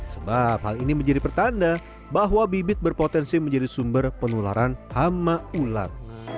sebab hal ini menjadi pertanda bahwa bibit berpotensi menjadi sumber penularan hama ulat